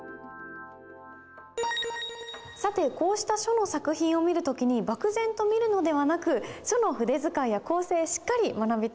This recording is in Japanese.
さてこうした書の作品を見る時に漠然と見るのではなく書の筆使いや構成しっかり学びたいですよね。